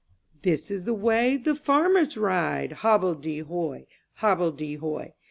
This is the way the farmers ride, Hobbledy hoy, Hobbledy hoy !